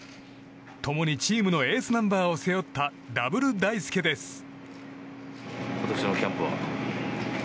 共にチームのエースナンバーを背負ったダブル大輔です。